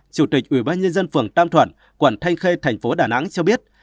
chủ tịch ủy ban nhân dân phường tam thuận quận thanh khê thành phố đà nẵng cho biết